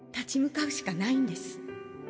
立ち向かうしかないんです。